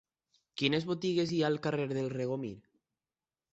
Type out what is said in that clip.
Quines botigues hi ha al carrer del Regomir?